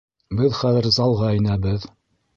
Беҙ хәҙер залға инәбеҙ!